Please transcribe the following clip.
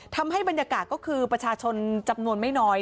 ทำให้บรรยากาศก็คือประชาชนจำนวนไม่น้อย